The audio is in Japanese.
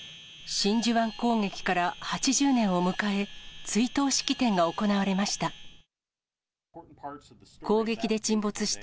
真珠湾攻撃から８０年を迎え、追悼式典が行われました。